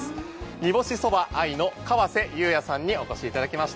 煮干そば藍の川瀬裕也さんにお越しいただきました。